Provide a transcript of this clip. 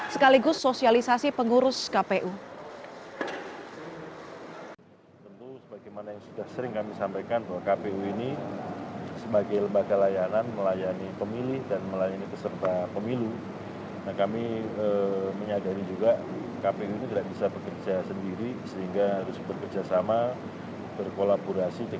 sekaligus sosialisasi pengurus kpu